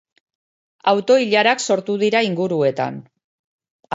Auto-ilarak sortu dira inguruetan.